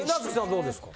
どうですか？